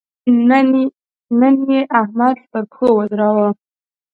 نن يې احمد پر پښو ودراوو.